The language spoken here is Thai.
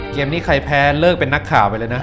นี้ใครแพ้เลิกเป็นนักข่าวไปเลยนะ